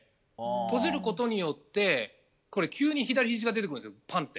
閉じることによって急に左ひじが出てくるんです。